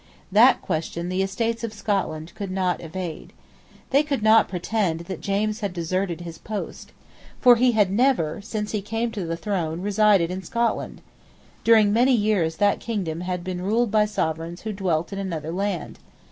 That question the Estates of Scotland could not evade. They could not pretend that James had deserted his post. For he had never, since he came to the throne, resided in Scotland. During many years that kingdom had been ruled by sovereigns who dwelt in another land.